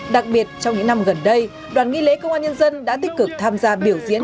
đặc biệt trong những năm gần đây đoàn nghi lễ công an nhân dân đã tích cực tham gia biểu diễn